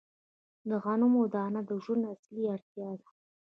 د غنمو دانه د ژوند اصلي اړتیا ده.